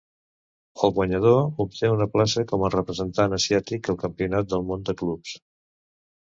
El guanyador obté una plaça com a representant asiàtic al Campionat del Món de Clubs.